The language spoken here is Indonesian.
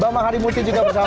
bama harimurti juga bersama